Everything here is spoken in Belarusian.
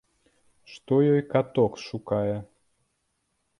Што ёй каток шукае.